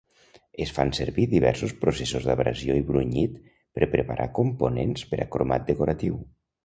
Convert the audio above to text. Es fan servir diversos processos d'abrasió i brunyit per preparar components per a cromat decoratiu.